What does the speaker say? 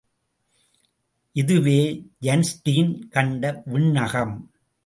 இதுவே ஐன்ஸ்டீன் கண்ட விண்ணகம்.